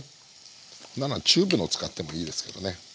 こんなのはチューブのを使ってもいいですけどね。